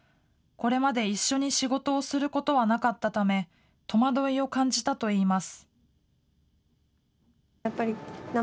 これまで一緒に仕事をすることはなかったため、戸惑いを感じたといいます。